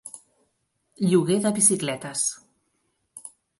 Lloguer de bicicletes.